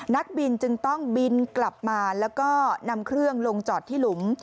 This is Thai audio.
นักบินจึงต้องบินกลับมาแล้วก็นำเครื่องลงจอดที่หลุม